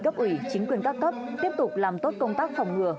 cấp ủy chính quyền các cấp tiếp tục làm tốt công tác phòng ngừa